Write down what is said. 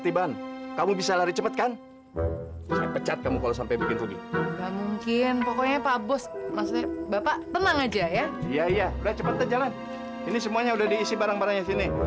iya iya udah cepetan jalan ini semuanya udah diisi barang barangnya sini